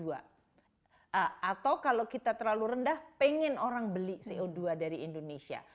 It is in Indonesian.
atau kalau kita terlalu rendah pengen orang beli co dua dari indonesia